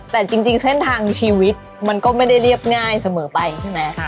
แต่จริงเส้นทางชีวิตมันก็ไม่ได้เรียบง่ายเสมอไปใช่ไหม